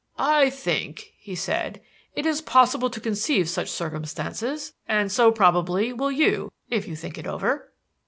"I think," he said, "it is possible to conceive such circumstances, and so, probably, will you if you think it over."